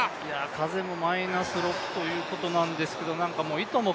風もマイナス６ということなんすけどいとも